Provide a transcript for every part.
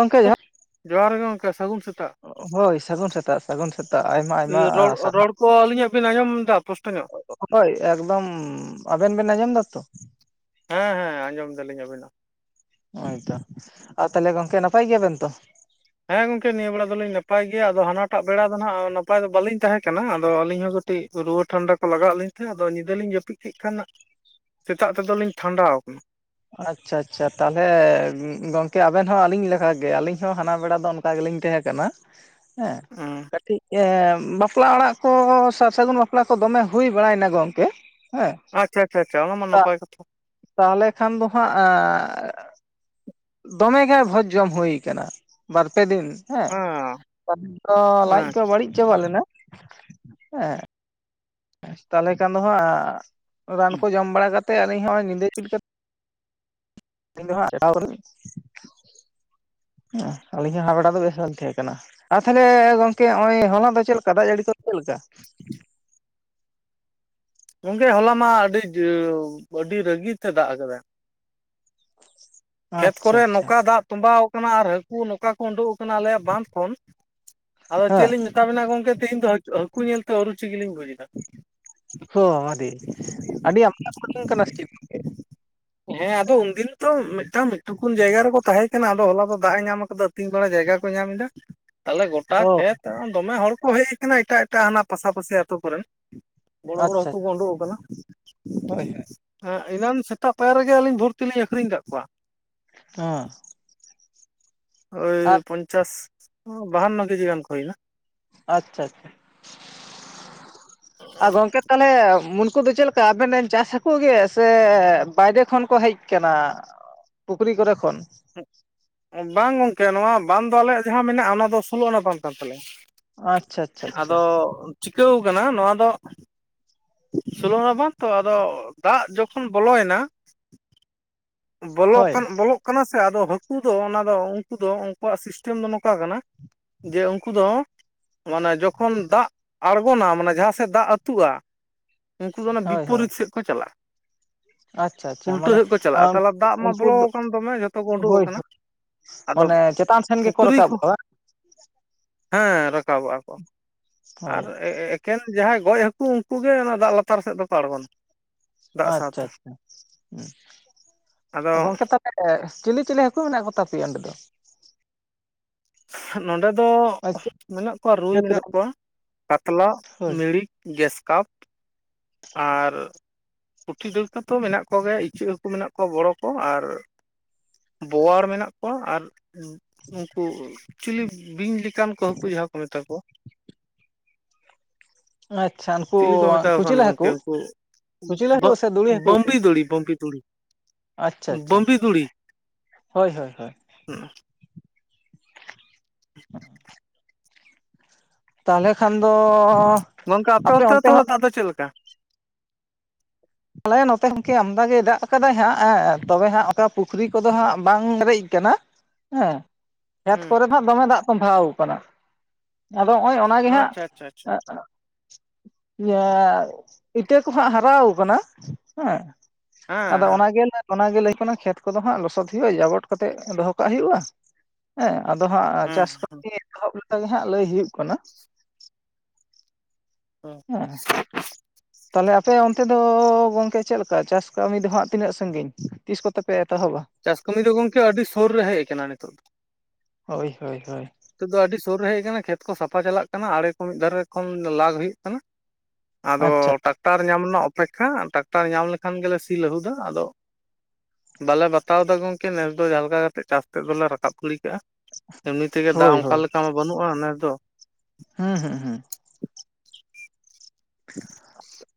Hello ᱡᱚᱦ ᱡᱚᱦᱟᱨ ᱜᱮ ᱜᱚᱝᱠᱮ ᱥᱟᱹᱜᱩᱱ ᱥᱮᱛ ᱦᱳᱭ ᱥᱟᱹᱜᱩᱱ ᱥᱮᱛᱟᱜ ᱥᱟᱹᱜᱩᱱ ᱥᱮᱛᱟᱜ ᱟᱭᱢᱟ ᱟᱭᱢᱟ ᱥᱟᱨᱦᱟᱣ᱾ ᱚ ᱟᱹᱞᱤᱧᱟᱜ ᱵᱤᱱ ᱟᱸᱡᱚᱢ ᱫᱟ ᱯᱳᱥᱴᱚ ᱧᱚᱜ? ᱦᱳᱭ, ᱮᱠᱫᱚᱢ ᱟᱵᱮᱱ ᱵᱮᱱ ᱟᱸᱡᱚᱢ ᱫᱟ ᱛᱚ? ᱦᱮᱸ ᱦᱮᱸ ᱟᱸᱡᱚᱢ ᱫᱟᱞᱤᱧ ᱟᱹᱵᱤᱱᱟᱜ᱾ ᱱᱚᱜᱚᱭᱛᱚ ᱟᱨ ᱛᱟᱦᱚᱞᱮ ᱜᱚᱝᱠᱮ ᱱᱟᱯᱟᱭ ᱜᱮᱭᱟᱵᱮᱱ ᱛᱚ? ᱦᱮᱸ ᱜᱚᱝᱠᱮ ᱱᱤᱭᱟᱹ ᱵᱮᱲᱟ ᱫᱚᱞᱤᱧ ᱱᱟᱯᱟᱭ ᱜᱮᱭᱟ ᱟᱫᱚ ᱦᱟᱱᱟᱴᱟᱜ ᱵᱮᱲᱟ ᱫᱚ ᱱᱟᱜ ᱱᱟᱯᱟᱭ ᱫᱚ ᱵᱟᱹᱞᱤᱧ ᱛᱟᱦᱮᱸ ᱠᱟᱱᱟ᱾ ᱟᱫᱚ ᱟᱹᱞᱤᱧ ᱦᱚᱸ ᱠᱟᱹ ᱴᱤᱡ ᱨᱩᱣᱟᱹ ᱴᱷᱟᱱᱰᱟ ᱠᱚ ᱞᱟᱜᱟᱣ ᱟᱜ ᱞᱤᱧ ᱛᱟᱦᱮᱸᱫ ᱟᱫᱚ ᱧᱤᱫᱟᱹ ᱞᱤᱧ ᱡᱟᱹᱯᱤᱫ ᱠᱮᱫ ᱠᱷᱟᱱ ᱥᱮᱛᱟᱜ ᱛᱮᱫᱚᱞᱤᱧ ᱴᱷᱟᱱᱰᱟᱣ ᱠᱟᱱᱟ᱾ ᱟᱪᱪᱷᱟ ᱟᱪᱪᱷᱟ ᱛᱟᱞᱦᱮ ᱜᱚᱝᱠᱮ ᱟᱵᱮᱱ ᱦᱚᱸ ᱟᱹᱞᱤᱧ ᱞᱮᱠᱟᱜᱮ ᱟᱹᱞᱤᱧ ᱦᱚᱸ ᱦᱟᱱᱟ ᱵᱮᱲᱟ ᱫᱚ ᱚᱱᱠᱟ᱾ ᱠᱟ ᱜᱤᱞᱤᱧ ᱛᱟᱦᱮᱸ ᱠᱟᱱᱟ᱾ [inaudible] ᱦᱮᱸ ᱠᱟᱹᱴᱤᱡ, ᱮᱻ ᱵᱟᱯᱞᱟ ᱚᱲᱟᱜ ᱠᱚ ᱥᱟᱨ ᱥᱟᱹᱜᱩᱱ ᱵᱟᱯᱞᱟ ᱠᱚ ᱫᱚᱢᱮ ᱦᱩᱭ ᱵᱟᱲᱟᱭᱱᱟ ᱜᱚᱝᱠᱮ, ᱦᱮᱸ ᱟᱪᱪᱷᱟ ᱟᱪᱷᱟ ᱪᱷᱟ ᱚᱱᱟ ᱢᱟ ᱱᱟᱯᱟᱭ ᱠᱟᱛᱷᱟ, ᱛᱟᱦᱚᱞᱮ ᱠᱷᱟᱱ ᱫᱚ ᱦᱟᱸᱜ ᱫᱚᱢᱮᱜᱮ ᱵᱷᱚᱡᱽ ᱡᱚᱢ ᱦᱩᱭ ᱠᱟᱱᱟ ᱵᱟᱨᱯᱮ ᱫᱤᱱ, ᱦᱮᱸ ᱟᱫᱚ ᱞᱟᱡ ᱦᱮᱸ ᱠᱚ ᱵᱟᱹᱲᱤᱡ ᱪᱟᱵᱟ ᱞᱮᱱᱟ, ᱦᱮᱸ, ᱛᱟᱞᱦᱮ ᱠᱷᱟᱱ ᱫᱚ ᱦᱟᱸᱜ ᱨᱟᱱ ᱠᱚ ᱡᱚᱢ ᱵᱟᱲᱟ ᱠᱟᱛᱮᱜ ᱟᱹᱞᱤᱧ ᱦᱚᱸ ᱧᱤᱫᱟᱹ [unintelligible] ᱠᱟᱛᱮ [unintelligible] ᱦᱮᱸ ᱟᱞᱤᱧ ᱦᱚᱸ ᱦᱟᱱᱟ ᱵᱮᱲᱟ ᱫᱚ ᱵᱮᱥ ᱵᱟᱞᱤᱧ ᱛᱟᱦᱮᱸ ᱠᱟᱱᱟ᱾ ᱟᱨ ᱛᱟᱦᱚᱞᱮ ᱜᱚᱝᱠᱮ ᱦᱚᱸᱜᱚᱭ ᱦᱚᱞᱟ ᱫᱚ ᱪᱮᱫ ᱞᱮᱠᱟ ᱫᱟᱜ ᱡᱟᱹᱲᱤ ᱠᱚ ᱪᱮᱫ ᱞᱮᱠᱟ? [unintelligible] ᱜᱚᱝᱠᱮ ᱦᱚᱞᱟ ᱢᱟ ᱟᱹᱰᱤ ᱡᱟ. ᱣ ᱟᱹᱰᱤ ᱨᱟᱹᱜᱤ ᱛᱮ ᱫᱟᱜ ᱟᱠᱟᱫᱟᱭ᱾ [inaudible] ᱠᱷᱮᱛ ᱟᱪᱪᱷᱟ ᱠᱚᱨᱮ ᱟᱪᱪᱷᱟ ᱱᱚᱝᱠᱟ ᱫᱟᱜ ᱛᱚᱸᱵᱟᱣ ᱠᱟᱱᱟ ᱟᱨ ᱦᱟᱹᱠᱩ ᱱᱚᱝᱠᱟ ᱠᱚ ᱩᱸᱰᱩᱜ ᱟᱠᱟᱱᱟ ᱟᱞᱮᱭᱟᱜ ᱵᱟᱸᱫᱽ ᱠᱷᱚᱱ, ᱟᱫᱚ ᱪᱮᱫ ᱦᱮᱸ ᱞᱤᱧ ᱢᱮᱛᱟᱵᱤᱱᱟ ᱜᱚᱝᱠᱮ ᱛᱮᱦᱤᱧ ᱫᱚ ᱦᱟᱹ ᱦᱟᱹᱠᱩ ᱧᱮᱞᱛᱮ ᱟᱨᱩᱪᱤᱜᱤ ᱞᱤᱧ ᱵᱩᱡᱽ ᱮᱫᱟ᱾ ᱦᱚᱸ ᱟᱹᱰᱤ ᱟᱹᱰᱤ [inaudible] ᱠᱚ ᱟᱲᱜᱳᱱ ᱠᱟᱱᱟ ᱥᱮ ᱪᱮᱫ ᱜᱚᱝᱠᱮ? ᱦᱮᱸ ᱟᱫᱚ ᱩᱱᱫᱤᱱ ᱛᱚ ᱢᱤ ᱛᱟᱣ ᱢᱤᱫᱴᱩᱠᱩᱱ ᱡᱟᱭᱜᱟ ᱨᱮᱠᱚ ᱛᱟᱦᱮᱸ, ᱠᱟᱱᱟ ᱟᱫᱚ ᱦᱚᱞᱟ ᱫᱚ ᱫᱟᱜ ᱮ ᱧᱟᱢ ᱠᱟᱫᱟ ᱟᱹᱛᱤᱧ ᱵᱮᱲᱟ ᱡᱟᱭᱜᱟ ᱠᱚ ᱧᱟᱢ ᱮᱫᱟ᱾ ᱛᱟᱦᱚᱞᱮ ᱜᱚᱴᱟ ᱚ ᱠᱷᱮᱛ ᱫᱚᱢᱮ ᱦᱚᱲ ᱠᱚ ᱦᱮᱡ ᱠᱟᱱᱟ ᱮᱴᱟᱜ ᱮᱴᱟᱜ ᱦᱟᱱᱟ ᱯᱟᱥᱟᱯᱟᱥᱤ ᱟᱹᱛᱩ ᱠᱚᱨᱮᱱ, ᱵᱚᱲᱚ ᱵᱚᱲᱚ ᱟᱪᱪᱷᱟ ᱦᱟᱹᱠᱩ ᱠᱚ ᱳᱰᱳᱜ ᱠᱟᱱᱟ᱾ ᱦᱳᱭ ᱦᱳᱭ, ᱦᱮᱸ ᱮᱱᱟᱱ ᱥᱮᱛᱟᱜ ᱯᱟᱭᱟᱨ ᱨᱮᱜᱮ ᱟᱹᱞᱤᱧ ᱵᱷᱚᱨᱛᱤᱞᱤᱧ ᱟᱠᱷᱨᱤᱧ ᱟᱠᱟᱫ ᱠᱚᱣᱟ᱾ ᱚ, ᱳᱭ ᱯᱚᱧᱪᱟᱥ ᱵᱟᱦᱟᱱᱱᱚ ᱠᱮᱡᱤ ᱜᱟᱱ ᱠᱚ ᱦᱳᱭᱩᱜᱼᱟ, ᱟᱪᱪᱷᱟ ᱟᱪᱪᱷᱟ, ᱟ ᱜᱚᱝᱠᱮ ᱛᱟᱦᱚᱞᱮ ᱩᱱᱠᱩ ᱫᱚ ᱪᱮᱫ ᱞᱮᱠᱟ ᱟᱵᱮᱱ ᱨᱮᱱ ᱪᱟᱥ ᱦᱟ. ᱠᱩ ᱜᱮ? ᱥᱮ ᱵᱟᱭᱨᱮ ᱠᱷᱚᱱ ᱠᱚ ᱦᱮᱡ ᱠᱟᱱᱟ? ᱯᱩᱠᱨᱤ ᱠᱚᱨᱮ ᱠᱷᱚᱱ, ᱵᱟᱝ ᱜᱚᱝᱠᱮ ᱱᱚᱣᱟ ᱵᱟᱸᱫᱽ ᱫᱚ ᱟᱞᱮᱭᱟᱜ ᱡᱟᱦᱟᱸ ᱢᱮᱱᱟᱜᱼᱟ ᱚᱱᱟ ᱫᱚ ᱥᱳᱞᱳ ᱟᱱᱟ ᱵᱟᱸᱫᱽ ᱠᱟᱱ ᱛᱟᱞᱮᱭᱟ᱾ ᱟᱪᱪᱷᱟ ᱟᱪᱪᱷᱟ ᱟᱪᱪᱷᱟ ᱟᱫᱚ ᱪᱤᱠᱟᱹᱣ ᱠᱟᱱᱟ ᱱᱚᱣᱟ ᱫᱚ ᱥᱳᱞᱳ ᱟᱱᱟ ᱵᱟᱱ ᱛᱚ ᱟᱫᱚ ᱫᱟᱜ ᱡᱚᱠᱷᱚᱱ ᱵᱚᱞᱚᱭ ᱱᱟ ᱵᱚᱞᱚᱜ ᱦᱳᱭ ᱠᱟᱱ ᱵᱚᱞᱚᱜ ᱠᱟᱱᱟ ᱥᱮ ᱟᱫᱚ ᱦᱟᱹᱠᱩ ᱫᱚ ᱚᱱᱟ ᱫᱚ ᱩᱱᱠᱩ ᱫᱚ ᱩᱱᱠᱩᱣᱟᱜ ᱥᱤᱥᱴᱮᱢ ᱫᱚ ᱱᱚᱝᱠᱟ ᱠᱟᱱᱟ ᱡᱮ ᱩᱱᱠᱩ ᱫᱚ ᱢᱟᱱᱮ ᱡᱚᱠᱷᱚᱱ ᱫᱟᱜ ᱟᱬᱜᱚᱱᱟ ᱢᱟᱱᱮ ᱡᱟᱦᱟᱸ ᱥᱮᱫ ᱫᱟᱜ ᱟᱹᱛᱩᱜᱼᱟ ᱩᱱᱠᱩ ᱫᱚ ᱚᱱᱟ ᱦᱳᱭ ᱦᱳᱭ ᱵᱤᱯᱚᱨᱤᱛ ᱥᱮᱫ ᱠᱚ ᱪᱟᱞᱟᱜᱼᱟ ᱟᱪᱪᱷᱟ ᱪᱟ ᱩᱞᱴᱟᱹ ᱢᱟᱱᱮ ᱥᱮᱫ ᱠᱚ ᱪᱟᱞᱟᱜᱼᱟ ᱛᱟᱦᱚᱞᱮ ᱫᱟᱜ ᱢᱟ ᱩᱱᱠᱩ ᱵᱚᱞᱚ ᱫᱚ ᱟᱠᱟᱱ ᱫᱚᱢᱮ ᱡᱚᱛᱚ ᱠᱚ ᱩᱰᱩᱠ ᱦᱳᱭ ᱟᱠᱟᱱᱟ ᱦᱳᱭ ᱟᱫᱚ ᱢᱟᱱᱮ ᱪᱮᱛᱟᱱ ᱥᱮᱱ ᱜᱮᱠᱚ ᱯᱩᱠᱷᱨᱤ ᱠᱚ ᱨᱟᱠᱟᱵᱚᱜᱼᱟ ᱵᱟᱝ ᱦᱮᱸ ᱨᱟᱠᱟᱵᱚᱜᱼᱟ ᱠᱚ ᱟᱨ ᱦᱳᱭ ᱮ ᱮᱠᱮᱱ ᱡᱟᱦᱟᱸᱭ ᱜᱚᱡ ᱦᱟᱹᱠᱩ ᱩᱱᱠᱩ ᱜᱮ ᱚᱱᱟ ᱫᱟᱜ ᱞᱟᱛᱟᱨ ᱥᱮᱫ ᱫᱚᱠᱚ ᱟᱲᱜᱚᱱᱟ ᱟᱪᱪᱷᱟ ᱪᱷᱟ ᱟᱫᱚ ᱦᱩᱸ ᱜᱚᱝᱠᱮ ᱛᱟ ᱮᱜ ᱪᱤᱞᱤ ᱪᱤᱞᱤ ᱦᱟᱹᱠᱩ ᱢᱮᱱᱟᱜ ᱠᱚᱛᱟ ᱯᱮᱭᱟ ᱚᱸᱰᱮ ᱫᱚ ᱱᱚᱰᱮ ᱫᱚ ᱪᱮᱫ ᱢᱮᱱᱟᱜ ᱠᱚᱣᱟ ᱨᱩᱭ ᱡᱟᱹᱛ ᱢᱮᱱᱟᱜ ᱨᱮᱱ ᱠᱚᱣᱟ ᱠᱟᱛᱞᱟ ᱦᱳᱭ ᱢᱮᱲᱤᱠ ᱜᱮᱥᱠᱟᱯ ᱟᱨ ᱯᱩᱴᱷᱤ ᱰᱟ. ᱲᱠᱟᱹ ᱛᱚ ᱢᱮᱱᱟᱜ ᱠᱚᱜᱮᱭᱟ ᱤᱪᱟᱹᱜ ᱦᱟᱹᱠᱩ ᱢᱮᱱᱟᱜ ᱠᱚᱣᱟ ᱵᱚᱲᱚ ᱠᱚ ᱟᱨ ᱵᱳᱣᱟᱲ ᱢᱮᱱᱟᱜ ᱠᱚᱣᱟ ᱟᱨ ᱩᱝᱠᱩ ᱪᱤᱞᱤ ᱵᱤᱧ ᱞᱮᱠᱟᱱ ᱠᱚ ᱦᱟᱹᱠᱩ ᱡᱟᱦᱟᱸ ᱠᱚ ᱢᱮᱛᱟ ᱠᱚᱣᱟ ᱟᱪᱪᱷᱟ ᱩᱱᱠᱩ ᱪᱤᱞᱤ ᱠᱚ ᱢᱮᱛᱟᱣ ᱠᱚᱣᱟ ᱠᱩᱪᱞᱟᱹ ᱜᱚᱝᱠᱮ ᱦᱟᱹᱠᱩ ᱩᱱᱠᱩ ᱠᱩᱪᱞᱟᱹ ᱵᱟ. ᱦᱟᱹᱠᱩ ᱥᱮ ᱫᱩᱲᱤ ᱜ ᱦᱟᱹᱠᱩ ᱵᱟ. ᱯᱮ ᱵᱤ ᱫᱩᱲᱤ ᱵᱟ. ᱵᱤ ᱫᱩᱲᱤ ᱟᱪᱪᱷᱟ ᱪᱷᱟ ᱵᱟᱹᱢᱵᱤ ᱦᱳᱭ ᱦᱳᱭ ᱦᱳᱭ ᱦᱩᱸ [inaudible] ᱛᱟᱦᱚᱞᱮ ᱠᱷᱟᱱ ᱫᱚ ᱜᱚᱝᱠᱮ ᱟᱯᱮ ᱚᱱᱛᱮ ᱫᱚ ᱛᱟᱦᱚᱞᱮ ᱫᱟᱜ ᱫᱚ ᱪᱮᱫ ᱞᱮᱠᱟ ᱟᱞᱮ ᱱᱚᱛᱮ ᱜᱚᱝᱠᱮ ᱟᱢᱫᱟ ᱜᱮᱭ ᱫᱟᱜ ᱠᱟᱫᱟᱭ ᱦᱟᱸᱜ ᱛᱚᱵᱮ ᱦᱟᱸᱜ ᱯᱩᱠᱷᱨᱤ ᱠᱚᱫᱚ ᱦᱟᱸᱜ ᱵᱟᱝ ᱯᱮᱨᱮᱡ ᱠᱟᱱᱟ ᱦᱮᱸ ᱠᱷᱮᱛ ᱦᱩᱸ ᱠᱚᱨᱮ ᱦᱟᱜ ᱫᱚᱢᱮ ᱫᱟᱜ ᱛᱚᱵᱷᱟᱣ ᱠᱟᱱᱟ ᱟᱫᱚ ᱦᱚᱜᱼᱚᱭ ᱚᱱᱟᱜᱮ ᱦᱟᱸᱜ ᱟᱪᱪᱷᱟ ᱟᱪᱪᱷᱟ ᱟᱪᱪᱷᱟ ᱤᱭᱟᱹ ᱤᱛᱟᱹ ᱠᱚ ᱦᱟᱸᱜ ᱦᱟᱨᱟᱣ ᱠᱟᱱᱟ ᱦᱮᱸ ᱦᱮᱸ ᱟᱫᱚ ᱦᱮᱸ ᱚᱱᱟᱜᱮ ᱚᱱᱟᱜᱮ ᱞᱟᱹᱭ ᱠᱟᱱᱟ ᱠᱷᱮᱛ ᱠᱚᱫᱚ ᱦᱟᱸᱜ ᱞᱚᱥᱚᱫ ᱦᱩᱭᱩᱜᱼᱟ ᱡᱟᱵᱚᱴ ᱠᱟᱛᱮᱜ ᱫᱚᱦᱚ ᱠᱟᱜ ᱦᱩᱭᱩᱜᱼᱟ ᱦᱮᱸ ᱟᱫᱚ ᱦᱟᱸᱜ ᱦᱮᱸ ᱪᱟᱥ ᱦᱮᱸ ᱠᱟᱹᱢᱤ ᱮᱦᱚᱵ ᱞᱮᱠᱮ ᱦᱟᱸᱜ ᱞᱟᱹᱭ ᱦᱩᱭᱩᱜ ᱠᱟᱱᱟ ᱦᱮᱸ ᱛᱟᱦᱚᱞᱮ ᱟᱯᱮ ᱚᱱᱛᱮ ᱫᱚ ᱜᱚᱝᱠᱮ ᱪᱮᱫ ᱞᱮᱠᱟ ᱪᱟᱥ ᱠᱟᱹᱢᱤ ᱫᱚ ᱦᱟᱸᱜ ᱛᱤᱱᱟᱹᱜ ᱥᱟᱺᱜᱤᱧ ᱛᱤᱥ ᱠᱚᱛᱮ ᱯᱮ ᱮᱛᱚᱦᱚᱵᱟ ᱪᱟᱥ ᱠᱟᱹᱢᱤ ᱫᱚ ᱜᱚᱝᱠᱮ ᱟᱹᱰᱤ ᱥᱩᱨ ᱨᱮ ᱦᱮᱡ ᱟᱠᱟᱱᱟ ᱱᱤᱛᱚᱜ ᱫᱚ ᱦᱳᱭ ᱦᱳᱭ ᱦᱳᱭ ᱱᱤᱛᱚᱜ ᱫᱚ ᱟᱹᱰᱤ ᱥᱳᱨ ᱨᱮ ᱦᱮᱡ ᱟᱠᱟᱱᱟ ᱠᱷᱮᱛ ᱠᱚ ᱥᱟᱯᱷᱟ ᱪᱟᱞᱟᱜ ᱠᱟᱱᱟ ᱟᱲᱮ ᱠᱚ ᱢᱤᱫ ᱫᱷᱟᱨᱮ ᱠᱷᱚᱱ ᱞᱟᱜ ᱦᱩᱭᱩᱜ ᱠᱟᱱᱟ ᱟᱫᱚ ᱟᱪᱪᱷᱟ ᱴᱟᱠᱴᱟᱨ ᱧᱟᱢ ᱨᱮᱱᱟᱜ ᱚᱯᱮᱠᱷᱟ ᱴᱨᱟᱠᱴᱟᱨ ᱧᱟᱢ ᱞᱮᱠᱷᱟᱱ ᱜᱮᱞᱮ ᱥᱤ ᱞᱟᱹᱦᱩᱫᱟ ᱟᱫᱚ ᱵᱟᱞᱮ ᱵᱟᱛᱟᱣ ᱫᱟ ᱜᱚᱝᱠᱮ ᱱᱮᱥ ᱫᱚ ᱡᱟᱦᱟᱸ ᱞᱮᱠᱟ ᱠᱟᱛᱮᱫ ᱪᱟᱥ ᱛᱮᱫ ᱫᱚ ᱞᱮ ᱨᱟᱠᱟᱵ ᱜᱤᱲᱤ ᱠᱟᱜᱼᱟ [inaudible] ᱛᱮ ᱜᱮ ᱫᱟᱜ ᱦᱳᱭ ᱚᱱᱠᱟ ᱦᱳᱭ ᱞᱮᱠᱟ ᱢᱟ ᱵᱟᱹᱱᱩᱜᱼᱟ ᱱᱮᱥ ᱫᱚ ᱦᱩᱸ ᱦᱩᱸ ᱦᱩᱸ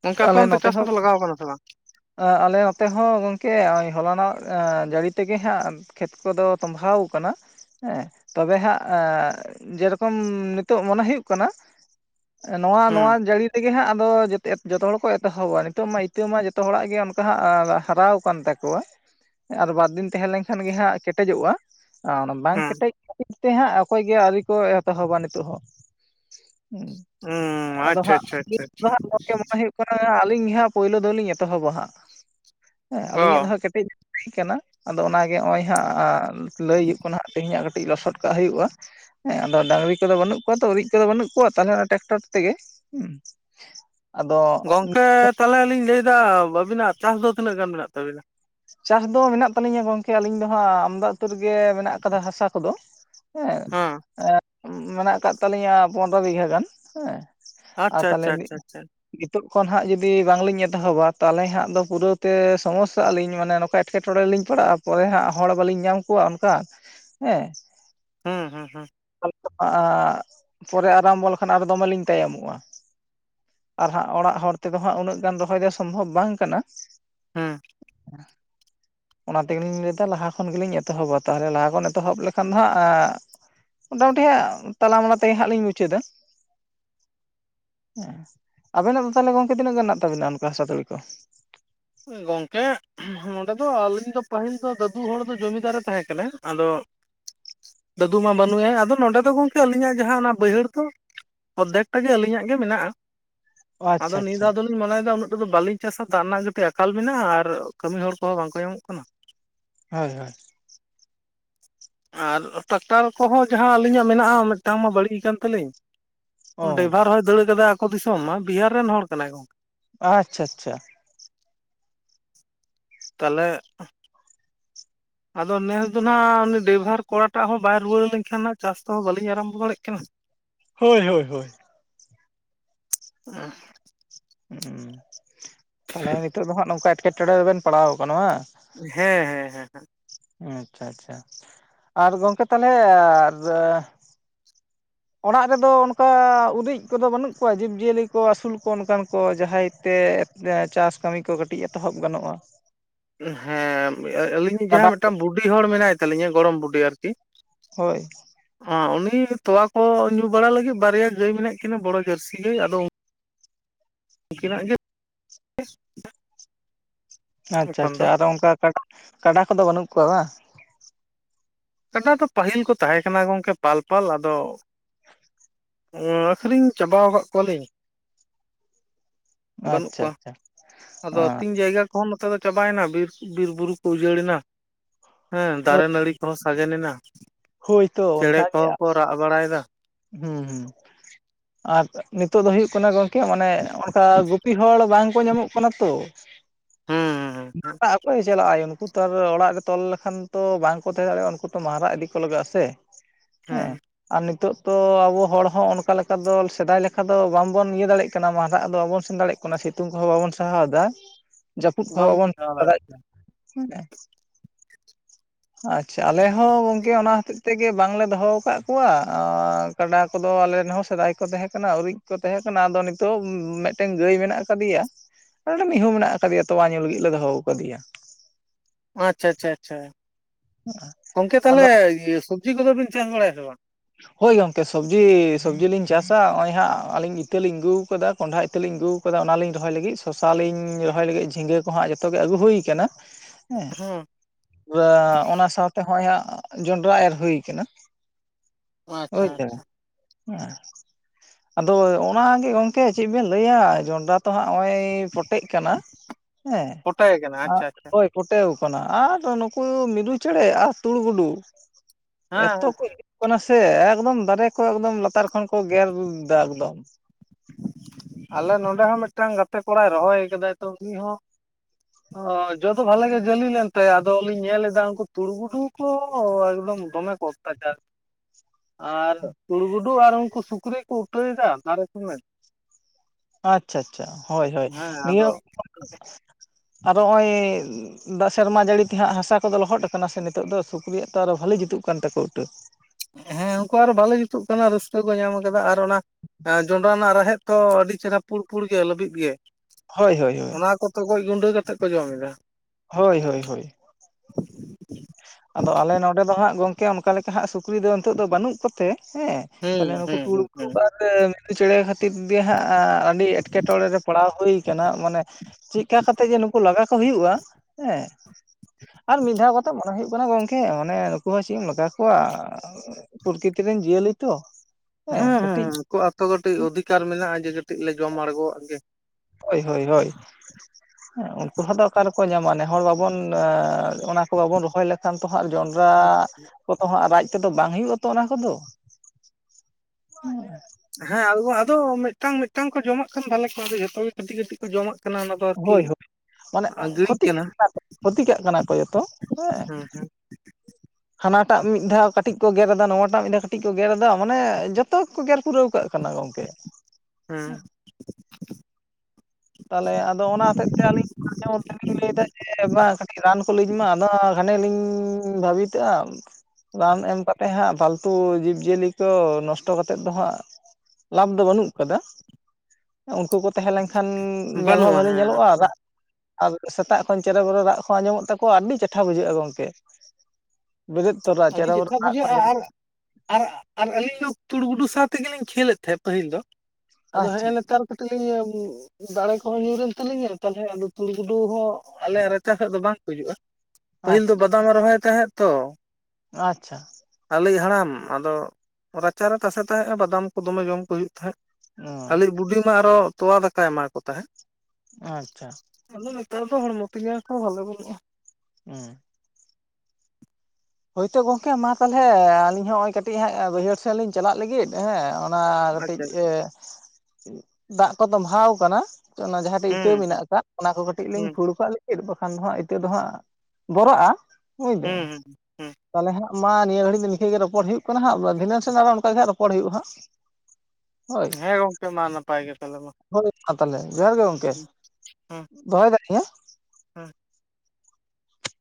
ᱜᱚᱝᱠᱮ ᱟᱯᱮ ᱟᱞᱮ ᱚᱱᱛᱮ ᱱᱚᱛᱮ ᱪᱟᱥ ᱦᱚᱸ ᱠᱚᱫᱚ ᱞᱟᱜᱟᱣ ᱠᱟᱱᱟ ᱥᱮ ᱵᱟᱝ ᱟᱞᱮ ᱱᱚᱛᱮ ᱦᱚᱸ ᱜᱚᱝᱠᱮᱜ ᱦᱚᱭ ᱦᱚᱞᱟ ᱱᱟᱜ ᱡᱟᱹᱲᱤ ᱛᱮ ᱜᱮ ᱦᱟᱸᱜ ᱠᱷᱮᱛ ᱠᱚ ᱫᱚ ᱛᱚᱢᱵᱷᱟᱣ ᱟᱠᱟᱱᱟ ᱦᱮᱸ ᱛᱚᱵᱮ ᱦᱟᱸᱜ ᱡᱮ ᱨᱚᱠᱚᱢ ᱱᱤᱛᱚᱜ ᱢᱚᱱᱮ ᱦᱩᱭᱩᱜ ᱠᱟᱱᱟ ᱱᱚᱣᱟ ᱱᱚᱣᱟ ᱦᱩᱸ ᱡᱟᱹᱲᱤ ᱛᱮ ᱜᱮ ᱦᱟᱸᱜ ᱟᱫᱚ ᱡᱚᱛᱚ ᱡᱚᱛᱚ ᱦᱚᱲ ᱠᱚ ᱮᱛᱚᱦᱚᱵᱟ ᱱᱤᱛᱚᱜ ᱢᱟ ᱤᱛᱟᱹ ᱢᱟ ᱡᱚᱛᱚ ᱦᱚᱲᱟᱜ ᱜᱮ ᱚᱱᱠᱟ ᱦᱟᱸᱜ ᱦᱟᱨᱟᱣ ᱟᱠᱟᱱ ᱛᱟᱠᱚᱣᱟ ᱟᱨ ᱵᱟᱨ ᱫᱤᱱ ᱛᱟᱦᱮᱸ ᱞᱮᱱ ᱠᱷᱟᱱ ᱜᱮ ᱦᱟᱸᱜ ᱠᱮᱴᱮᱡᱚᱜᱼᱟ ᱟᱨ ᱵᱟᱝ ᱦᱩᱸ ᱠᱮᱴᱮᱡ ᱠᱷᱟᱹᱛᱤᱨ ᱛᱮ ᱦᱟᱸᱜ ᱚᱠᱚᱭ ᱜᱮ ᱟᱹᱣᱨᱤ ᱠᱚ ᱮᱛᱚᱦᱚᱵᱟ ᱱᱤᱛᱚᱜ ᱦᱚᱸ ᱦᱩᱸ ᱦᱩᱸ ᱟᱫᱚ ᱟᱪᱪᱷᱟ ᱦᱟᱸᱜ ᱟᱪᱪᱷᱟ ᱟᱪᱪᱷᱟ ᱢᱤᱫ ᱟᱪᱪᱷᱟ ᱵᱟᱨ ᱦᱚᱲ ᱢᱚᱱᱮ ᱦᱩᱭᱩᱜ ᱠᱟᱱᱟ ᱟᱹᱞᱤᱧ ᱜᱮ ᱦᱟᱸᱜ ᱯᱩᱭᱞᱩ ᱫᱚ ᱞᱤᱧ ᱮᱛᱚᱦᱚᱵᱟ ᱦᱟᱸᱜ ᱦᱮᱸ ᱚ ᱟᱹᱞᱤᱧᱟᱜ ᱫᱚ ᱦᱟᱸᱜ ᱠᱟᱹᱴᱤᱡ ᱦᱩᱭ ᱠᱟᱱᱟ ᱟᱫᱚ ᱚᱱᱟ ᱜᱮ ᱱᱚᱜᱼᱚᱭ ᱦᱟᱸᱜ ᱞᱟᱹᱭ ᱦᱩᱭᱩᱜ ᱠᱟᱱᱟ ᱦᱟᱸᱜ ᱛᱮᱦᱮᱧ ᱟᱜ ᱠᱟᱹᱴᱤᱡ ᱞᱚᱥᱚᱫ ᱠᱟᱜ ᱦᱩᱭᱩᱜᱼᱟ ᱦᱮᱸ ᱟᱫᱚ ᱰᱟᱹᱝᱨᱤ ᱠᱚ ᱫᱚ ᱵᱟᱹᱱᱩᱜ ᱠᱚᱣᱟ ᱛᱚ ᱩᱨᱤᱡ ᱠᱚ ᱫᱚ ᱵᱟᱹᱱᱩᱜ ᱠᱚᱣᱟ ᱛᱟᱦᱚᱞᱮ ᱚᱱᱟ ᱴᱨᱮᱠᱴᱚᱨ ᱛᱮ ᱜᱮ ᱦᱩᱸ ᱟᱫᱚ ᱜᱚᱝᱠᱮ ᱛᱟᱦᱚᱞᱮ ᱞᱤᱧ ᱞᱟᱹᱭ ᱮᱫᱟ ᱟᱹᱵᱤᱱᱟᱜ ᱪᱟᱥ ᱫᱚ ᱛᱤᱱᱟᱹᱜ ᱜᱟᱱ ᱢᱮᱱᱟᱜ ᱛᱟᱹᱵᱤᱱᱟ? ᱪᱟᱥ ᱫᱚ ᱢᱮᱱᱟᱜ ᱛᱟᱹᱞᱤᱧᱟ ᱜᱚᱝᱠᱮ ᱟᱹᱞᱤᱧ ᱫᱚ ᱦᱟᱸᱜ ᱟᱢᱫᱟ ᱩᱛᱟᱹᱨ ᱜᱮ ᱢᱮᱱᱟᱜ ᱟᱠᱟᱫᱟ ᱦᱟᱥᱟ ᱠᱚ ᱫᱚ ᱦᱮᱸ ᱮᱸ ᱢᱮᱱᱟᱜ ᱟᱠᱟᱫ ᱛᱟᱹᱞᱤᱧᱟ ᱯᱚᱱᱨᱚ ᱵᱤᱜᱷᱟᱹ ᱜᱟᱱ ᱦᱮᱸ ᱟᱨ ᱟᱪᱪᱷᱟ ᱛᱟᱞᱦᱮ ᱟᱪᱪᱷᱟ ᱢᱤᱫ ᱟᱪᱪᱷᱟ ᱟᱪᱪᱷᱟ ᱱᱤᱛᱚᱜ ᱠᱷᱚᱱ ᱦᱟᱸᱜ ᱡᱩᱫᱤ ᱵᱟᱝ ᱞᱤᱧ ᱮᱛᱚᱦᱚᱵᱟ ᱛᱟᱦᱚᱞᱮ ᱦᱟᱸᱜ ᱫᱚ ᱯᱩᱨᱟᱹᱣ ᱛᱮ ᱥᱚᱢᱚᱥᱥᱟᱜ ᱟᱹᱞᱤᱧ ᱢᱟᱱᱮ ᱱᱚᱝᱠᱟ ᱮᱴᱠᱮᱴᱚᱲᱮ ᱨᱮ ᱞᱤᱧ ᱯᱟᱲᱟᱜᱼᱟ ᱯᱚᱨᱮ ᱦᱟᱸᱜ ᱦᱚᱲ ᱵᱟᱹᱞᱤᱧ ᱧᱟᱢ ᱠᱚᱣᱟ ᱚᱱᱠᱟ ᱦᱮᱸ ᱦᱩᱸ ᱦᱩᱸ ᱦᱩᱸ ᱟᱻ ᱯᱚᱨᱮ ᱟᱨᱟᱢᱵᱚ ᱞᱮᱠᱷᱟᱱ ᱟᱨᱚ ᱫᱚᱢᱮ ᱞᱤᱧ ᱛᱟᱭᱚᱢᱚᱜᱼᱟ ᱟᱨ ᱦᱟᱸᱜ ᱚᱲᱟᱜ ᱦᱚᱲ ᱛᱮ ᱫᱚ ᱦᱟᱸᱜ ᱩᱱᱟᱹᱜ ᱜᱟᱱ ᱨᱚᱦᱚᱭ ᱫᱚ ᱥᱚᱢᱵᱷᱚᱵᱽ ᱵᱟᱝ ᱠᱟᱱᱟ ᱦᱩᱸ [unintelligible] ᱚᱱᱟ ᱛᱮᱜᱮ ᱞᱤᱧ ᱞᱟᱹᱭ ᱮᱫᱟ ᱞᱟᱦᱟ ᱠᱷᱚᱱ ᱜᱮ ᱞᱤᱧ ᱮᱛᱚᱦᱚᱵᱟ ᱛᱟᱞᱦᱮ ᱞᱟᱦᱟ ᱠᱷᱚᱱ ᱮᱛᱚᱦᱚᱵ ᱞᱮᱠᱷᱟᱱ ᱦᱟᱸᱜ ᱢᱚᱴᱟ-ᱢᱩᱴᱤ ᱦᱟᱸᱜ ᱛᱟᱞᱟ ᱢᱟᱞᱟ ᱛᱮ ᱜᱮ ᱦᱟᱸᱜ ᱞᱤᱧ ᱢᱩᱪᱟᱹᱫᱟ ᱦᱮᱸ ᱟᱹᱵᱤᱱᱟᱜ ᱫᱚ ᱛᱟᱞᱦᱮ ᱜᱚᱝᱠᱮ ᱛᱤᱱᱟᱹᱜ ᱜᱟᱱ ᱢᱮᱱᱟᱜ ᱛᱟᱹᱵᱤᱱᱟ ᱚᱱᱠᱟ ᱦᱟᱥᱟ ᱫᱷᱩᱲᱤ ᱠᱚ ᱜᱚᱝᱠᱮ ᱱᱚᱸᱰᱮ ᱫᱚ ᱟᱹᱞᱤᱧ ᱫᱚ ᱯᱟᱹᱦᱤᱞ ᱫᱚ ᱫᱟᱹᱫᱩ ᱦᱚᱲ ᱫᱚ ᱡᱚᱢᱤᱫᱟᱨᱮ ᱛᱟᱦᱮᱸ ᱠᱟᱱᱟ ᱟᱫᱚ ᱫᱟᱹᱫᱩ ᱢᱟ ᱵᱟᱹᱱᱩᱜ ᱮᱭᱟ ᱟᱫᱚ ᱱᱚᱸᱰᱮ ᱫᱚ ᱜᱚᱢᱠᱮ ᱟᱹᱞᱤᱧᱟᱜ ᱡᱟᱦᱟᱸ ᱚᱱᱟ ᱵᱟᱹᱭᱦᱟᱹᱲ ᱫᱚ ᱚᱫᱫᱷᱮᱠᱴᱟ ᱜᱮ ᱟᱹᱞᱤᱧᱟᱜ ᱜᱮ ᱢᱮᱱᱟᱜᱼᱟ ᱟᱫᱚ ᱟᱪᱪᱷᱟ ᱱᱤᱭᱟᱹ ᱟᱪᱪᱷᱟ ᱫᱷᱟᱣ ᱫᱚᱞᱤᱧ ᱢᱚᱱᱮ ᱮᱫᱟ ᱩᱱᱟᱹᱜ ᱰᱷᱮᱨ ᱫᱚ ᱵᱟᱹᱞᱤᱧ ᱪᱟᱥᱟ ᱫᱟᱜ ᱨᱮᱱᱟᱜ ᱟᱠᱟᱞ ᱢᱮᱱᱟᱜᱼᱟ ᱟᱨ ᱠᱟᱹᱢᱤ ᱦᱚᱲ ᱠᱚ ᱦᱚᱸ ᱵᱟᱝ ᱠᱚ ᱧᱟᱢᱚᱜ ᱠᱟᱱᱟ ᱦᱚᱭ ᱦᱚᱭ ᱟᱨ ᱴᱨᱟᱠᱴᱟᱨ ᱠᱚ ᱦᱚᱸ ᱡᱟᱦᱟᱸ ᱟᱹᱞᱤᱧᱟᱜ ᱢᱮᱱᱟᱜᱼᱟ ᱢᱤᱫᱴᱟᱹᱝ ᱢᱟ ᱵᱟᱹᱲᱤᱡ ᱟᱠᱟᱱ ᱛᱟᱹᱞᱤᱧ ᱚ ᱰᱟᱭᱵᱷᱟᱨ ᱦᱚᱸᱭ ᱫᱟᱹᱲ ᱟᱠᱟᱫᱟ ᱟᱠᱚ ᱫᱤᱥᱚᱢ ᱢᱟ ᱵᱤᱦᱟᱨ ᱨᱮᱱ ᱦᱚᱲ ᱠᱟᱱᱟ ᱠᱚ ᱟᱪᱪᱷᱟ ᱟᱪᱪᱷᱟ ᱛᱟᱞᱦᱮ ᱟᱫᱚ ᱱᱮᱥ ᱫᱚ ᱱᱟᱦᱟᱜ ᱩᱱᱤ ᱰᱟᱭᱵᱷᱟᱨ ᱠᱚᱲᱟ ᱴᱟᱜ ᱦᱚᱸ ᱵᱟᱭ ᱨᱩᱣᱟᱹᱲ ᱞᱮᱱ ᱠᱷᱟᱱ ᱱᱟᱦᱟᱜ ᱪᱟᱥ ᱫᱚ ᱵᱟᱹᱞᱤᱧ ᱟᱨᱚᱢᱵᱷᱚ ᱫᱟᱲᱮᱜ ᱠᱟᱱᱟ [inaudible] ᱦᱳᱭ ᱦᱳᱭ ᱦᱳᱭ ᱮᱸ ᱦᱩᱸᱻ ᱛᱟᱞᱦᱮ ᱱᱤᱛᱚᱜ ᱫᱚ ᱦᱟᱸᱜ ᱱᱚᱝᱠᱟ ᱮᱴᱠᱮᱴᱚᱲᱮ ᱨᱮ ᱵᱮᱱ ᱯᱟᱲᱟᱣ ᱟᱠᱟᱱᱟ ᱵᱟᱝ ᱦᱮᱸ ᱦᱮᱸ ᱦᱮᱸ ᱦᱮᱸ ᱟᱪᱪᱷᱟ ᱟᱪᱪᱷᱟ ᱟᱨ ᱜᱚᱝᱠᱮ ᱛᱟᱞᱦᱮᱻ ᱟᱨ ᱚᱲᱟᱜ ᱨᱮ ᱫᱚ ᱚᱱᱠᱟ ᱩᱨᱤᱡ ᱠᱚ ᱫᱚ ᱵᱟᱹᱱᱩᱜ ᱠᱚᱣᱟ ᱡᱤᱵᱽᱼᱡᱤᱭᱟᱹᱞᱤ ᱠᱚ ᱟᱹᱥᱩᱞ ᱠᱚ ᱚᱱᱠᱟᱱ ᱠᱚ ᱡᱟᱦᱟᱸᱭ ᱛᱮ ᱪᱟᱥ ᱠᱟᱹᱢᱤ ᱠᱚ ᱠᱟᱹᱴᱤᱡ ᱮᱛᱚᱦᱚᱵ ᱜᱟᱱᱚᱜᱼᱟ ᱦᱮᱸ ᱟᱹᱞᱤᱧ ᱠᱟᱰᱟ ᱡᱟᱦᱟᱸ ᱠᱚ ᱢᱤᱫᱴᱟᱝ ᱵᱩᱰᱤᱷᱤ ᱦᱚᱲ ᱢᱮᱱᱟᱭ ᱛᱟᱹᱟᱞᱤᱧᱟ ᱜᱚᱲᱚᱢ ᱵᱩᱰᱷᱤ ᱟᱨᱠᱤ, ᱦᱳᱭ ᱾ ᱩᱱᱤ ᱛᱚᱣᱟ ᱠᱚ ᱧᱩ ᱵᱟᱲᱟ ᱞᱟᱹᱜᱤᱫ ᱵᱟᱨᱭᱟ ᱜᱟᱹᱭ ᱢᱮᱱᱟᱜ ᱠᱤᱱᱟᱹ ᱵᱚᱲᱚ ᱡᱟᱹᱨᱥᱤ ᱜᱟᱹᱭ ᱟᱫᱚ, ᱩᱱᱠᱤᱱᱟᱜ ᱜᱮ [inaudible] ᱟᱪᱪᱷᱟ ᱮᱠᱷᱚᱱ ᱟᱪᱪᱷᱟ ᱫᱚ ᱟᱨ ᱚᱱᱠᱟ ᱠᱟᱰᱟ ᱠᱟᱰᱟ ᱠᱚᱫᱚ ᱵᱟᱹᱱᱩᱜ ᱠᱚᱣᱟ ᱵᱟᱝ? ᱠᱟᱰᱟ ᱫᱚ ᱯᱟᱹᱦᱤᱞ ᱠᱚ ᱛᱟᱦᱮᱸ ᱠᱟᱱᱟ ᱜᱚᱢᱠᱮ ᱯᱟᱞᱯᱟᱞ ᱟᱫᱚ ᱦᱸ ᱟᱹᱠᱷᱨᱤᱧ ᱪᱟᱵᱟ ᱟᱠᱟᱫ ᱠᱚᱣᱟᱞᱤᱧ᱾ ᱵᱟᱹᱱᱩᱜ ᱟᱪᱪᱷᱟ ᱠᱚᱣᱟ, ᱟᱪᱪᱷᱟ ᱟᱫᱚ ᱟᱛᱤᱧ ᱡᱟᱭᱜᱟ ᱠᱚᱦᱚ ᱱᱚᱛᱮ ᱫᱚ ᱪᱟᱵᱟᱭᱮᱱᱟ ᱵᱤᱨ ᱵᱤᱨ ᱵᱩᱨᱩ ᱠᱚ ᱩᱡᱟᱹᱲ ᱮᱱᱟ ᱦᱮᱸ ᱫᱟᱨᱮ ᱱᱟᱹᱲᱤ ᱠᱚ ᱥᱟᱜᱮᱱ ᱮᱱᱟ, ᱦᱳᱭᱛᱚ ᱪᱮᱬᱮ ᱠᱚᱦᱚᱸ ᱠᱚ ᱨᱟᱜ ᱵᱟᱲᱟᱭᱮᱫᱟ᱾ ᱦᱮᱸ ᱦᱩᱸ ᱟᱨ ᱱᱤᱛᱚᱜ ᱫᱚ ᱦᱩᱭᱩᱜ ᱠᱟᱱᱟ ᱜᱚᱝᱠᱮ ᱚᱱᱮ ᱚᱱᱠᱟ ᱜᱩ ᱯᱤ ᱦᱚᱲ ᱵᱟᱝᱠᱚ ᱧᱟᱢᱚᱜ ᱠᱟᱱᱟ ᱛᱚ, ᱦᱩᱸ ᱦᱩᱸ ᱫᱴᱟᱜ ᱟᱠᱚ ᱪᱟᱞᱟᱜᱼᱟᱭ ᱩᱱᱠᱩ ᱛᱚ ᱟᱨ ᱚᱲᱟᱜ ᱨᱮ ᱛᱚᱞ ᱞᱮᱠᱷᱟᱱ ᱛᱚ ᱵᱟᱝᱠᱚ ᱛᱟᱦᱮᱸ ᱫᱟᱲᱮᱭᱟᱜᱼᱟ ᱩᱱᱠᱩ ᱛᱚ ᱢᱟᱨᱟᱦᱟᱜ ᱤᱫᱤᱠᱚ ᱞᱟᱜᱟᱜᱼᱟ ᱥᱮ᱾ [inaudible] ᱦᱮᱸ ᱟᱨ ᱱᱤᱛᱚᱜ ᱛᱚ ᱟᱵᱚ ᱦᱚᱲ ᱦᱚᱸ ᱚᱱᱠᱟ ᱞᱮᱠᱟ ᱫᱚ ᱥᱮᱫᱟᱭ ᱞᱮᱠᱟ ᱫᱚ ᱵᱟᱝᱵᱚᱱ ᱤᱭᱟᱹ ᱫᱟᱲᱮᱜ ᱠᱟᱱᱟ ᱢᱟᱫᱟᱜ ᱫᱚ ᱵᱟᱵᱚᱱ ᱥᱮᱱ ᱫᱟᱲᱮᱭᱟᱜ ᱠᱟᱱᱟ᱾ ᱚᱱᱟ ᱥᱤᱛᱩᱝ ᱠᱚᱦᱚᱸ ᱵᱟᱵᱚᱱ ᱥᱟᱦᱟᱣ ᱮᱫᱟ᱾ [inaudible] ᱡᱟᱹᱯᱩᱫ ᱠᱚᱦᱚᱸ ᱵᱟᱵᱚᱱ ᱵᱩᱡᱷᱟᱹᱣ ᱫᱟᱲᱮᱭᱟᱜ [unintelligible] ᱟᱪᱪᱷᱟ ᱟᱞᱮ ᱦᱚᱸ ᱜᱚᱝᱠᱮ ᱚᱱᱟ ᱦᱚᱛᱮᱡ ᱛᱮᱜᱮ ᱵᱟᱝᱞᱮ ᱫᱚᱦᱚ ᱟᱠᱟᱫ ᱠᱚᱣᱟ᱾ ᱠᱟᱰᱟ ᱠᱚᱫᱚ ᱟᱞᱮ ᱨᱮᱱᱦᱚ ᱥᱮᱫᱟᱭ ᱠᱚ ᱛᱟᱦᱮᱸ ᱠᱟᱱᱟ ᱟᱹᱣᱨᱤ ᱜᱮ ᱠᱚ ᱛᱟᱦᱮᱸ ᱠᱟᱱᱟ, ᱟᱫᱚ ᱱᱤᱛᱚᱜ ᱢᱤᱫᱴᱮᱱ ᱜᱟᱹᱭ ᱢᱮᱱᱟᱜ ᱟᱠᱟᱫᱮᱭᱟ᱾ ᱢᱤᱦᱩ ᱢᱮᱱᱟᱜ ᱟᱠᱟᱫᱮᱭᱟ ᱛᱚᱣᱟ ᱧᱩ ᱞᱟᱹᱜᱤᱫ ᱞᱮ ᱫᱚᱦᱚ ᱟᱠᱟᱫᱮᱭᱟ᱾ ᱟᱪᱪᱷᱟ ᱪᱷᱟ ᱪᱷᱟ ᱜᱚᱝᱠᱮ ᱟᱫᱚ ᱛᱟᱦᱚᱞᱮ ᱥᱚᱵᱡᱤ ᱠᱚᱫᱚ ᱵᱤᱱ ᱪᱟᱥ ᱵᱟᱲᱟᱭᱟ ᱥᱮ ᱵᱟᱝ? ᱦᱚᱭ ᱜᱚᱝᱠᱮ ᱥᱚᱵᱡᱤ ᱥᱚᱵᱡᱤᱞᱤᱧ ᱪᱟᱥᱟ ᱱᱚᱜ ᱚᱭ ᱦᱟᱸᱜ ᱟᱹᱞᱤᱧ ᱤᱛᱟᱹ ᱞᱤᱧ ᱟᱹᱜᱩ ᱟᱠᱟᱫᱟ᱾ ᱠᱚᱸᱰᱷᱟ ᱤᱛᱟᱹ ᱞᱤᱧ ᱟᱹᱜᱩ ᱟᱠᱟᱫᱟ ᱚᱱᱟᱞᱤᱧ ᱨᱚᱦᱚᱭ ᱞᱟᱹᱜᱤᱫ ᱥᱚᱥᱟᱞᱤᱧ ᱨᱚᱦᱚᱭ ᱞᱟᱹᱜᱤᱫ ᱡᱷᱤᱸᱜᱟᱹ ᱠᱚᱦᱚᱸ ᱡᱚᱛᱚ ᱜᱮ ᱟᱹᱜᱩ ᱦᱩᱭ ᱟᱠᱟᱱᱟ᱾ [inaudible] ᱦᱮᱸ ᱚᱱᱟ ᱥᱟᱶᱛᱮ ᱦᱚᱸᱜ ᱟᱭᱟᱜ ᱡᱚᱸᱰᱨᱟ ᱮᱨ ᱦᱩᱭ ᱟᱠᱟᱱᱟ᱾ ᱟᱪᱪᱷᱟ ᱦᱚᱭᱛᱚ ᱟᱪᱪᱷᱟ ᱦᱮᱸ᱾ ᱟᱫᱚ ᱚᱱᱟ ᱜᱮ ᱜᱚᱝᱠᱮ ᱪᱮᱫ ᱵᱮᱱ ᱞᱟᱹᱭᱟ ᱡᱚᱱᱰᱨᱟ ᱛᱚ ᱦᱟᱸᱜ ᱱᱚᱜᱼᱚᱭ ᱯᱚᱴ ᱯᱚᱴᱮᱜ ᱠᱟᱱᱟ ᱦᱮᱸ ᱯᱚᱴᱟᱭ ᱠᱟᱱᱟ ᱟᱪᱪᱷᱟ ᱟᱪᱪᱷᱟ ᱚᱭ ᱯᱚᱴᱮᱣ ᱟᱠᱟᱱᱟ, ᱟᱨ ᱱᱩᱠᱩ ᱢᱤᱨᱩ ᱪᱮᱬᱮ ᱟᱨ ᱛᱩᱲ ᱜᱩᱰᱩ ᱦᱮᱸ ᱦᱮᱸ ᱮᱛᱚ ᱠᱚ ᱠᱟᱱᱟ ᱥᱮ ᱮᱠᱫᱚᱢ ᱫᱟᱨᱮ ᱠᱚ ᱮᱠᱫᱚᱢ ᱞᱟᱛᱟᱨ ᱠᱷᱚᱱ ᱠᱚ ᱜᱮᱨᱫᱟ ᱮᱠᱫᱚᱢ᱾ ᱟᱞᱮ ᱱᱚᱰᱮ ᱦᱚᱸ ᱢᱤᱫᱴᱟᱱ ᱜᱟᱛᱮ ᱠᱚᱲᱟᱭ ᱨᱚᱦᱚᱭ ᱠᱟᱫᱟᱭ ᱛᱚ ᱩᱱᱤᱦᱚᱸ ᱚ ᱡᱚ ᱵᱷᱟᱞᱮ ᱜᱮ ᱡᱟᱹᱞᱤ ᱞᱮᱱᱛᱟᱭᱟ ᱟᱫᱚᱞᱤᱧ ᱧᱮᱞ ᱮᱫᱟ ᱩᱱᱠᱩ ᱛᱩᱲᱜᱩᱰᱩ ᱠᱚ ᱮᱠᱫᱚᱢ ᱫᱚᱢᱮ ᱠᱚ ᱚᱛ ᱛᱟᱪᱟᱨ᱾ ᱟᱨ ᱛᱩᱲᱜᱩᱰᱩ ᱟᱨ ᱩᱱᱠᱩ ᱥᱩᱠᱨᱤ ᱠᱚ ᱩᱴᱟᱹᱭᱮᱫᱟ ᱫᱟᱨᱮ ᱥᱚᱢᱮᱫ᱾ ᱟᱪᱪᱷᱟ ᱪᱷᱟ ᱦᱚᱭ ᱦᱚᱭ ᱦᱮᱸ ᱱᱤᱭᱟᱹ ᱟᱫᱚ ᱟᱨ ᱱᱚᱜᱼᱚᱭ ᱫᱟᱜ ᱥᱮᱨᱢᱟ ᱡᱟᱹᱲᱤ ᱛᱮᱦᱟᱸᱜ ᱦᱟᱥᱟ ᱠᱚᱫᱚ ᱞᱚᱦᱚᱫ ᱟᱠᱟᱱᱟ ᱥᱮ ᱱᱤᱛᱚᱜ ᱫᱚ ᱥᱩᱠᱨᱤᱣᱟᱜ ᱟᱨᱚ ᱵᱷᱟᱹᱞᱤ ᱡᱩᱛᱩᱜ ᱠᱟᱱ ᱛᱟᱠᱚ ᱩᱴᱟᱹ᱾ ᱦᱮᱸ ᱩᱱᱠᱩ ᱟᱨ ᱵᱟᱷᱟᱞᱮ ᱡᱩᱛᱩᱜ ᱠᱟᱱᱟ ᱨᱟᱹᱥᱠᱟᱹ ᱠᱚ ᱧᱟᱢ ᱠᱟᱫᱟ ᱟᱨ ᱚᱱᱟ ᱡᱚᱸᱰᱨᱟ ᱨᱮᱱᱟᱜ ᱨᱦᱮᱫ ᱛᱚ ᱟᱹᱰᱤ ᱪᱮᱨᱦᱟ ᱯᱩᱲ ᱯᱩᱲ ᱜᱮ ᱞᱟᱹᱵᱤᱫ ᱜᱮ᱾ ᱦᱚᱭ ᱦᱚᱭ ᱦᱚᱭ᱾ ᱛᱚᱜᱚᱡ ᱜᱩᱸᱰᱟᱹ ᱠᱟᱛᱮᱫ ᱠᱚ ᱡᱚᱢ ᱮᱫᱟ᱾ ᱦᱚᱭ ᱦᱚ ᱦᱚᱭ᱾ [inaudible] ᱟᱫᱚ ᱟᱞᱮ ᱱᱚᱰᱮ ᱫᱚ ᱦᱟᱸᱜ ᱜᱚᱝᱠᱮ ᱠᱮ ᱚᱱᱠᱟ ᱞᱮᱠᱟ ᱦᱟᱸᱜ ᱥᱩᱠᱨᱤ ᱫᱚ ᱱᱤᱛᱚᱜ ᱫᱚ ᱵᱟᱹᱱᱩᱜ ᱠᱚᱛᱮ ᱦᱮᱸ ᱦᱩᱸ ᱛᱟᱦᱚᱞᱮ ᱱᱩᱠᱩ ᱦᱩᱸ ᱛᱩᱲ, ᱦᱩᱸ ᱜᱩᱰᱩ ᱦᱩᱸ ᱟᱨ ᱪᱮᱬᱮ ᱠᱷᱟᱹᱛᱤᱨ ᱜᱮ ᱦᱟᱸᱜ ᱟᱹᱰᱤ ᱮᱴᱠᱮᱴᱚᱬᱮ ᱨᱮ ᱯᱟᱲᱟᱣ ᱦᱩᱭ ᱠᱟᱱᱟ ᱢᱟᱱᱮ ᱪᱮᱫᱠᱟ ᱠᱟᱛᱮᱜ ᱡᱮ ᱱᱩᱠᱩ ᱞᱟᱜᱟ ᱠᱚ ᱦᱩᱭᱩᱜᱼᱟ ᱦᱮᱸ᱾ ᱟᱨ ᱢᱤᱫ ᱫᱷᱟᱣ ᱠᱟᱛᱮ ᱢᱚᱱᱮ ᱦᱩᱭᱩᱜ ᱠᱟᱱᱟ ᱜᱚᱝᱠᱮ ᱢᱟᱱᱮ ᱱᱩᱠᱩ ᱦᱚᱸ ᱪᱮᱫ ᱮᱢ ᱢᱮᱛᱟ ᱠᱚᱣᱟ ᱯᱨᱚᱠᱤᱛᱤᱨ ᱨᱮᱱ ᱡᱤᱭᱟᱹᱞᱤ ᱛᱚ᱾ ᱦᱮᱸ ᱦᱮᱸ ᱩᱱᱠᱩᱣᱟᱜᱛᱚ ᱠᱟᱹᱴᱤᱡ ᱚᱫᱷᱤᱠᱟᱨ ᱢᱮᱱᱟᱜ-ᱟ ᱡᱮ ᱠᱟᱹᱴᱤᱡ ᱞᱮ ᱡᱚᱢ ᱟᱲᱜᱚᱣᱟᱜ ᱜᱮ᱾ ᱦᱳᱭ ᱦᱳᱭ ᱦᱳᱭ ᱩᱱᱠᱩ ᱦᱚᱸ ᱛᱚ ᱚᱠᱟ ᱨᱮᱠᱚ ᱧᱟᱢᱟ ᱱᱮ ᱦᱚᱲ ᱵᱟᱵᱚᱱ ᱚᱱᱟ ᱠᱚ ᱵᱟᱵᱚᱱ ᱨᱚᱦᱚᱭ ᱞᱮᱠᱷᱟᱱ ᱮᱠᱷᱟᱱ ᱛᱚ ᱦᱟᱸᱜ ᱟᱨ ᱡᱚᱸᱱᱰᱨᱟ ᱠᱚᱫᱚ ᱦᱟᱸᱜ ᱨᱟᱡ ᱛᱚ ᱵᱟᱝ ᱦᱩᱭᱩᱜ ᱟᱛᱚ ᱚᱱᱟ ᱠᱚᱫᱚ ᱦᱮᱸ ᱟᱫᱚ ᱢᱤᱫᱴᱟᱝ ᱢᱤᱫᱴᱟᱝ ᱠᱚ ᱡᱚᱢᱟᱜ ᱠᱷᱟᱱ ᱵᱷᱟᱜᱮ ᱠᱚ ᱟᱫᱚ ᱡᱚᱛᱚ ᱜᱮ ᱠᱟᱹᱴᱤᱡ ᱠᱟᱹᱴᱤᱡ ᱠᱚ ᱡᱚᱢᱟᱜ ᱠᱟᱱᱟ ᱚᱱᱟ ᱫᱚ ᱟᱨᱠᱤ ᱦᱳᱭ ᱦᱳᱭ ᱢᱟᱱᱮ ᱠᱷᱚᱛᱤ ᱠᱟᱱᱟ ᱠᱚ ᱠᱷᱚᱛᱤ ᱠᱟᱜ ᱠᱟᱱᱟ ᱠᱚ ᱡᱷᱚᱛᱚ ᱦᱮᱸ ᱦᱟᱱᱟᱴᱟᱜ ᱢᱤᱫ ᱫᱷᱟᱣ ᱠᱟᱹᱴᱤᱡ ᱠᱚ ᱜᱮᱨᱮᱫᱟ ᱱᱚᱣᱟᱴᱟᱜ ᱢᱤᱫ ᱫᱷᱟᱣ ᱠᱟᱹᱴᱤᱡ ᱠᱚ ᱜᱮᱨ ᱮᱫᱟ ᱢᱟᱱᱮ ᱡᱚᱛᱚ ᱜᱮ ᱠᱚ ᱜᱮᱨ ᱯᱩᱨᱟᱹᱣ ᱟᱠᱟᱜ ᱠᱟᱱᱟ ᱜᱚᱢᱠᱮ ᱦᱮᱸ ᱛᱟᱦᱚᱞᱮ ᱟᱫᱚ ᱚᱱᱟ ᱦᱚᱛᱮᱡ ᱛᱮ ᱟᱹᱞᱤᱧ ᱞᱟᱹᱭ ᱫᱟ ᱡᱮ ᱵᱟᱝ ᱠᱟᱹᱴᱤᱡ ᱨᱟᱱ ᱠᱚᱞᱤᱧ ᱮᱢᱟᱫ-ᱟ ᱟᱫᱚ ᱜᱷᱟᱱᱤ ᱞᱤᱧ ᱵᱷᱟᱵᱤᱛᱜ-ᱟ ᱨᱟᱱ ᱮᱢ ᱠᱟ ᱠᱟᱛᱮᱫ ᱦᱟᱸᱜ ᱯᱷᱟᱞᱛᱩ ᱡᱤᱵᱽ ᱡᱤᱭᱟᱹᱞᱤ ᱠᱚ ᱱᱚᱥᱴᱚ ᱠᱟᱛᱮᱫ ᱫᱚ ᱦᱟᱸᱜ ᱞᱟᱵᱷ ᱫᱚ ᱵᱟᱹᱱᱩᱜ ᱠᱟᱫᱟ ᱩᱱᱠᱩ ᱠᱚ ᱛᱟᱦᱮᱸ ᱞᱮᱱᱠᱷᱟᱱ ᱧᱮᱞ ᱦᱚᱸ ᱵᱟᱹᱱᱩᱜᱼᱟ ᱵᱷᱟᱹᱞᱤ ᱦᱮᱸ ᱧᱮᱞᱚᱜ-ᱟ ᱟᱨ ᱥᱮᱛᱟᱜ ᱠᱷᱚᱱ ᱪᱮᱨᱚ ᱵᱮᱨᱚ ᱨᱟᱜ ᱦᱚᱸ ᱟᱸᱡᱚᱢᱚᱜ ᱛᱟᱠᱚᱣᱟ ᱟᱹᱰᱤ ᱪᱮᱴᱷᱟ ᱵᱩᱡᱷᱟᱹᱜ-ᱟ ᱜᱚᱝᱠᱮ᱾ ᱵᱮᱨᱮᱫ ᱛᱚᱨᱟ ᱟᱹᱰᱤ ᱪᱮᱨᱚ ᱵᱮᱨᱚ ᱪᱮᱴᱷᱟ ᱵᱩᱡᱷᱟᱹᱜᱼᱟ ᱠᱚᱣᱟ ᱟᱨ ᱟᱨ ᱟᱨ ᱟᱹᱞᱤᱧ ᱫᱚ ᱛᱩᱲᱜᱩᱰᱩ ᱥᱟᱶᱛᱮᱜᱮᱞᱤᱧ ᱠᱷᱮᱞᱮᱫ ᱛᱟᱦᱮᱸᱫ ᱯᱟᱹᱦᱤᱞ ᱫᱚ ᱟᱫᱚ ᱟᱪᱪᱷᱟ ᱦᱮᱸ ᱱᱮᱛᱟᱨ [unintelligible] ᱫᱟᱲᱮ ᱠᱚᱦᱚᱸ ᱧᱩᱨᱮᱱ ᱛᱟᱹᱞᱤᱧᱟ ᱛᱟᱦᱚᱞᱮ ᱟᱫᱚ ᱛᱩᱲᱜᱩᱰᱩ ᱦᱚᱸ ᱟᱞᱮᱭᱟᱜ ᱨᱟᱪᱟ ᱥᱮᱫ ᱫᱚ ᱵᱟᱝ ᱠᱚ ᱦᱤᱡᱩᱜ-ᱟ᱾ ᱯᱟᱹᱦᱤᱞ ᱫᱚ ᱟᱪᱪᱷᱟ ᱵᱟᱫᱟᱢᱮ ᱨᱚᱦᱚᱭ ᱛᱟᱦᱮᱸᱫ ᱛᱚ ᱟᱪᱪᱷᱟ ᱟᱞᱮ ᱤᱡ ᱦᱟᱲᱟᱢ ᱟᱫᱚ ᱨᱟᱪᱟᱨᱮ ᱛᱟᱥᱮ ᱛᱟᱦᱮᱸᱜ ᱵᱟᱫᱟᱢ ᱠᱚ ᱫᱚᱢᱮ ᱡᱚᱢ ᱠᱚ ᱦᱩᱭᱩᱜ ᱛᱟᱦᱮᱸᱫ᱾ ᱚ ᱟᱞᱮ ᱤᱡ ᱵᱩᱰᱤ ᱢᱟ ᱟᱨᱚ ᱛᱚᱣᱟ ᱫᱟᱠᱟᱭ ᱮᱢᱟ ᱠᱚ ᱛᱟᱦᱮᱸᱫ᱾ ᱟᱪᱪᱷᱟ ᱟᱫᱚ ᱱᱮᱛᱟᱨ ᱫᱚ ᱦᱚᱲᱢᱚ ᱛᱤ -ᱡᱟᱸᱜᱟ ᱠᱚ ᱵᱷᱟᱜᱮ ᱵᱟᱹᱱᱩᱜ -ᱟ᱾ ᱦᱮᱸ ᱦᱳᱭᱛᱚ ᱜᱚᱢᱠᱮ ᱢᱟ ᱛᱟᱦᱚᱞᱮ ᱟᱞᱤᱧ ᱦᱚᱸ ᱱᱚᱜ-ᱚᱭ ᱠᱟᱹᱴᱤᱡ ᱦᱟᱸᱜ ᱵᱟᱹᱭᱦᱟᱹᱲ ᱥᱮᱱ ᱞᱤᱧ ᱪᱟᱞᱟᱜ ᱞᱟᱹᱜᱤᱫ ᱦᱮᱸ ᱚᱱᱟ ᱠᱟᱹᱴᱤᱡ ᱟᱪᱪᱷᱟ ᱟᱪᱪᱷᱟ ᱫᱟᱜ ᱠᱚ ᱛᱚᱵᱷᱟᱸᱣ ᱟᱠᱟᱱᱟ᱾ ᱚᱱᱟ ᱡᱟᱦᱟᱸᱴᱟᱜ ᱤᱛᱟᱹ ᱦᱩᱸ ᱦᱩᱸ ᱢᱮᱱᱟᱜ ᱟᱠᱟᱫ ᱚᱱᱟ ᱠᱚ ᱠᱟᱹᱴᱤᱡ ᱞᱤᱧ ᱦᱩᱸ ᱯᱷᱩᱲ ᱠᱟᱜ ᱞᱤ ᱪᱮᱫ ᱵᱟᱠᱷᱟᱱ ᱫᱚ ᱦᱟᱸᱜ ᱤᱛᱟᱹ ᱫᱚᱦᱟᱸᱜ ᱵᱚᱨᱚᱜ-ᱟ ᱵᱩᱡᱫᱟ ᱵᱤᱱ ᱦᱩᱸ ᱦᱩᱸ ᱛᱟᱦᱚᱞᱮ ᱦᱟᱸᱜ ᱢᱟ ᱱᱤᱭᱟᱹ ᱜᱷᱟᱲᱤᱡ ᱫᱚ ᱱᱤᱝᱠᱟᱹ ᱜᱮ ᱨᱚᱯᱚᱲ ᱦᱩᱭᱩᱜ ᱠᱟᱱᱟ ᱦᱟᱸᱜ ᱫᱷᱤᱱᱟᱹᱱ ᱥᱮᱫ ᱟᱨ ᱚᱱᱠᱟ ᱜᱮ ᱦᱟᱸᱜ ᱨᱚᱯᱚᱲ ᱦᱩᱭᱩᱜ ᱦᱟᱸᱜ ᱦᱳᱭ ᱦᱮᱸ ᱜᱚᱢᱠᱮ ᱢᱟ ᱱᱟᱯᱟᱭ ᱜᱮ ᱛᱟᱦᱟᱞᱮ ᱢᱟ᱾ ᱦᱳᱭ ᱢᱟ ᱛᱟᱦᱚᱞᱮ ᱡᱚᱦᱟᱨ ᱜᱮ ᱜᱚᱢᱠᱮ ᱦᱩᱸ ᱫᱚᱦᱚᱭ ᱫᱟᱞᱤᱧ ᱦᱮᱸ ᱦᱮᱸ